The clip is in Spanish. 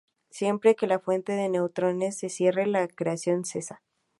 Siempre que la fuente de neutrones se cierre, la reacción cesa.